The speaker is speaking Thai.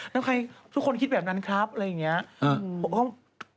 แล้วใครทุกคนคิดแบบนั้นครับอะไรอย่างนี้